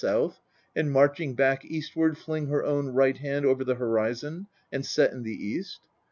LkxV south, and marching back eastward, fling her own right hand over the horizon, and set in the east